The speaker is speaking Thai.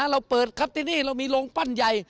เราเปิดครับที่นี่เรามีโรงปั้นใหญ่